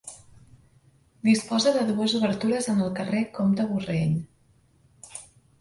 Disposa de dues obertures en el carrer Comte Borrell.